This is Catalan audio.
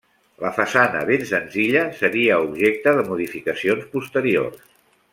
La façana, ben senzilla, seria objecte de modificacions posteriors.